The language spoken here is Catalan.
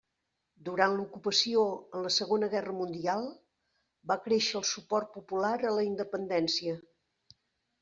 Durant l'ocupació en la Segona Guerra Mundial, va créixer el suport popular a la independència.